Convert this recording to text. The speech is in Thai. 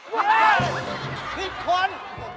ผิดคน